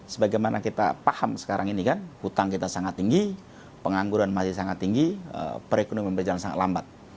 sebagaimana kita paham sekarang ini kan hutang kita sangat tinggi pengangguran masih sangat tinggi perekonomian berjalan sangat lambat